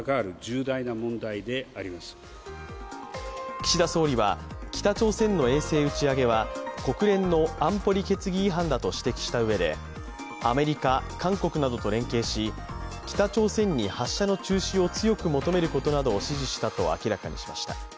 岸田総理は北朝鮮の衛星打ち上げは国連の安保理決議違反だと指摘したうえでアメリカ、韓国などと連携し北朝鮮に発射の中止を強く求めることなどを指示したと明らかにしました。